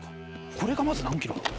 これがまず何ｋｇ？